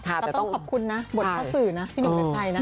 เราต้องขอบคุณนะบทข้าวสื่อนะที่หนุ่มในใจนะ